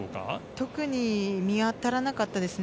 特に見当たらなかったですね。